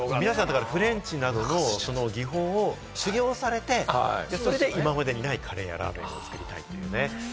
フレンチなどの技法を修業をされて、そして今までにないカレーやラーメンを作ったりと。